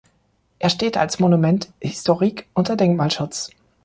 Er steht als Monument historique unter Denkmalschutz.